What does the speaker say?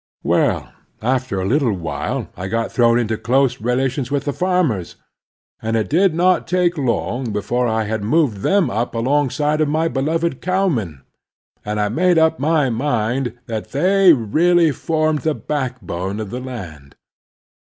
Well, after a little while I got thrown into close relations with the farmers, and it did not take long before I had moved them up alongside of my beloved cowmen ; and I made up my mind that they really formed the backbone of the land.